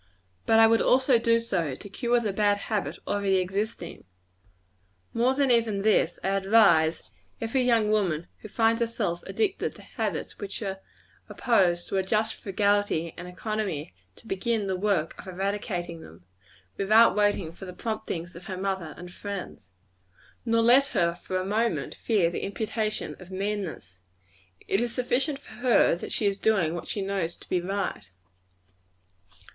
But I would also do so, to cure the bad habit already existing. More than even this; I advise every young woman who finds herself addicted to habits which are opposed to a just frugality and economy, to begin the work of eradicating them, without waiting for the promptings of her mother and friends. Nor let her, for a moment, fear the imputation of meanness; it is sufficient for her that she is doing what she knows to be right.